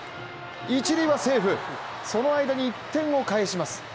一塁はセーフ、その間に１点を返します。